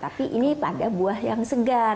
tapi ini pada buah yang segar